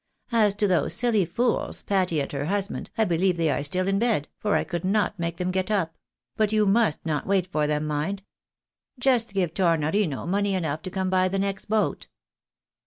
As to those silly fools, Patty and her husband, 1 believe they are still in bed, for I could not make them get up ; but you must not wait for them, mind. Just give Tornorino money enough to come by the next boat."